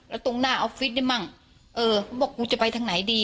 แล้วตรงหน้าออฟฟิศได้มั่งเออเขาบอกกูจะไปทางไหนดี